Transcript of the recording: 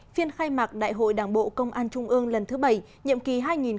phiên khai mạc đại hội đảng bộ công an trung ương lần thứ bảy nhiệm kỳ hai nghìn hai mươi hai nghìn hai mươi năm